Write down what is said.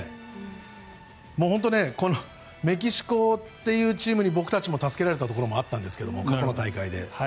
本当にメキシコというチームに僕たちも助けられたところもあったんですけど過去の大会で。